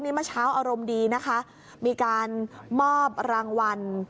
เมื่อเช้าอารมณ์ดีนะคะมีการมอบรางวัล